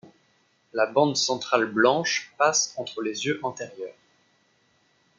La bande centrale blanche passe entre les yeux antérieurs.